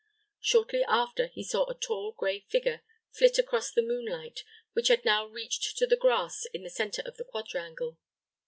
Shortly after, he saw a tall, gray figure flit across the moonlight, which had now reached to the grass in the centre of the quadrangle.